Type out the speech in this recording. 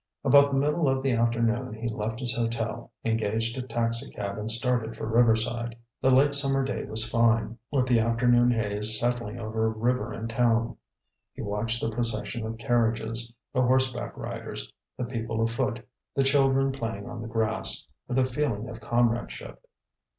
About the middle of the afternoon he left his hotel, engaged a taxicab and started for Riverside. The late summer day was fine, with the afternoon haze settling over river and town. He watched the procession of carriages, the horse back riders, the people afoot, the children playing on the grass, with a feeling of comradeship.